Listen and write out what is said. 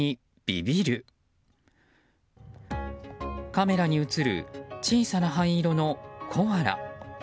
カメラに映る小さな灰色のコアラ。